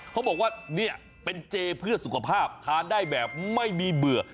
เขาบอกว่าเนี่ยเป็นเจเพื่อสุขภาพทานได้แบบไม่มีเบื่อ